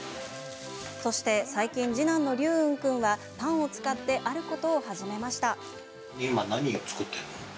そして最近、次男の龍雲君はパンを使ってあることを始めました。